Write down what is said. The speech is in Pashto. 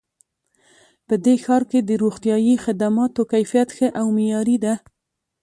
په دې ښار کې د روغتیایي خدماتو کیفیت ښه او معیاري ده